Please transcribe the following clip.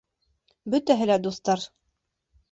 Бөтәһе лә дуҫтар!..